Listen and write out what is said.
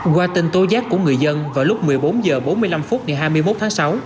qua tin tố giác của người dân vào lúc một mươi bốn h bốn mươi năm phút ngày hai mươi một tháng sáu